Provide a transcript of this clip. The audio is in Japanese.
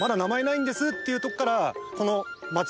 っていうとこからこの。